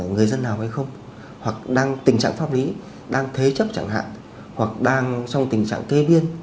người dân nào hay không hoặc đang tình trạng pháp lý đang thế chấp chẳng hạn hoặc đang trong tình trạng kê biên